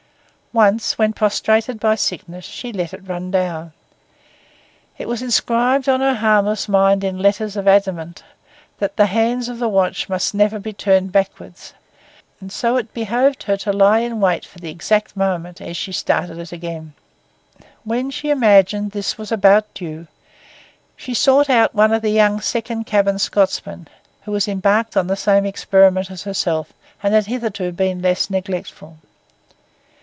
Once, when prostrated by sickness, she let it run down. It was inscribed on her harmless mind in letters of adamant that the hands of a watch must never be turned backwards; and so it behoved her to lie in wait for the exact moment ere she started it again. When she imagined this was about due, she sought out one of the young second cabin Scotsmen, who was embarked on the same experiment as herself and had hitherto been less neglectful.